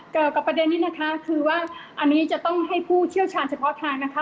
กับประเด็นนี้นะคะคือว่าอันนี้จะต้องให้ผู้เชี่ยวชาญเฉพาะทางนะคะ